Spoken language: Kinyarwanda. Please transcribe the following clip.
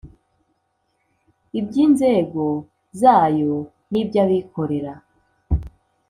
iby’inzego zayo n’iby’abikorera,